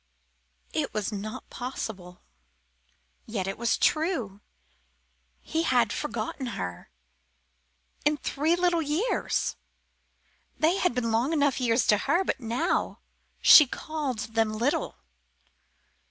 It was not possible.... Yet it was true. He had forgotten her. In three little years! They had been long enough years to her, but now she called them little.